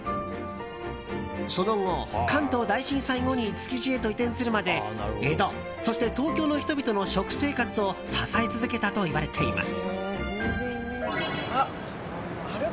その後、関東大震災後に築地へと移転するまで江戸、そして東京の人々の食生活を支え続けたといわれています。